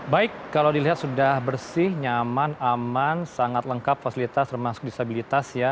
baik kalau dilihat sudah bersih nyaman aman sangat lengkap fasilitas termasuk disabilitas ya